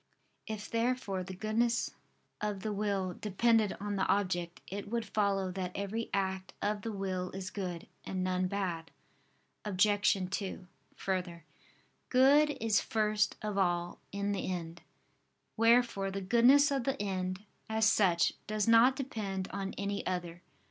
If therefore the goodness of the will depended on the object, it would follow that every act of the will is good, and none bad. Obj. 2: Further, good is first of all in the end: wherefore the goodness of the end, as such, does not depend on any other.